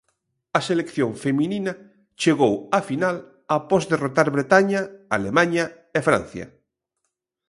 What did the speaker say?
A selección feminina chegou á final após derrotar Bretaña, Alemaña e Francia.